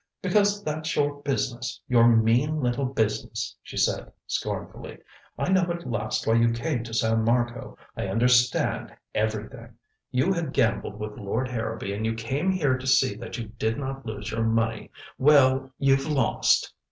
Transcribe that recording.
"Because that's your business your mean little business," she said scornfully. "I know at last why you came to San Marco. I understand everything. You had gambled with Lord Harrowby, and you came here to see that you did not lose your money. Well, you've lost!